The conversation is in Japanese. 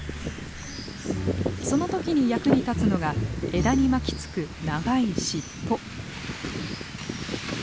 その時に役に立つのが枝に巻きつく長い尻尾。